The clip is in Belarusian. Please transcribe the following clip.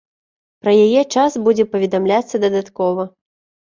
Пра яе час будзе паведамляцца дадаткова.